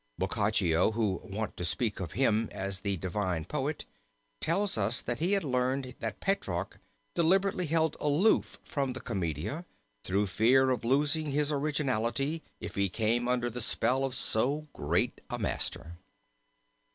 Boccaccio was wont to speak of him as the Divine Poet, and tells us that he had learned that Petrarch deliberately held aloof from the Commedia, through fear of losing his originality if he came under the spell of so great a master.